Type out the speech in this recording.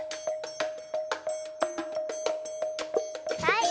はい！